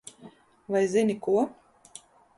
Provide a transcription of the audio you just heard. Vai zini ko?